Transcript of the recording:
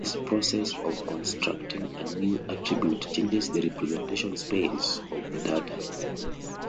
This process of constructing a new attribute changes the representation space of the data.